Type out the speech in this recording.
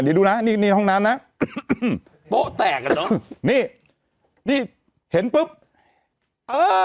นี่ดูนะนี่นี่ห้องน้ำนะโป๊ะแตกกันเนอะนี่นี่เห็นปุ๊บเออ